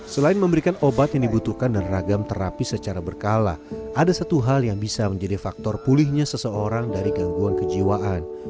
selain memberikan obat yang dibutuhkan dan ragam terapi secara berkala ada satu hal yang bisa menjadi faktor pulihnya seseorang dari gangguan kejiwaan